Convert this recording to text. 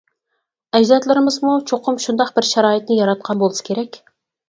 ئەجدادلىرىمىزمۇ چوقۇم شۇنداق بىر شارائىتنى ياراتقان بولسا كېرەك.